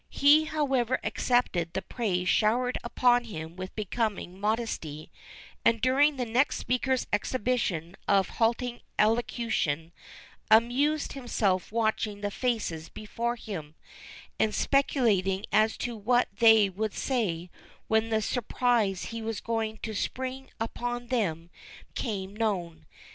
He, however, accepted the praise showered upon him with becoming modesty, and, during the next speaker's exhibition of halting elocution, amused himself watching the faces before him, and speculating as to what they would say when the surprise he was going to spring upon them became known.